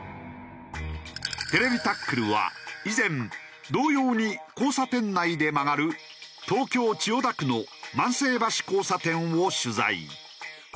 『ＴＶタックル』は以前同様に交差点内で曲がる東京千代田区の万世橋交差点を取材。